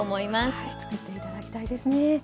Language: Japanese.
はい作って頂きたいですね。